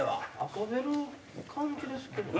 遊べる感じですけどね。